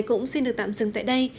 cũng xin được tạm dừng tại đây